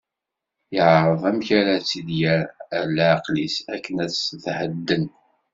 Yeɛreḍ amek ara tt-id-yerr ar leɛqel-is, akken ad tethedden.